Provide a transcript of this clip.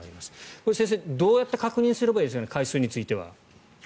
これは先生、どうやって確認すればいいですか回数については。